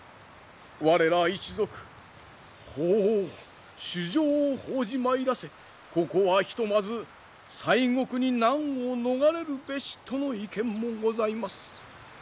我ら一族法皇主上を奉じまいらせここはひとまず西国に難を逃れるべしとの意見もございます。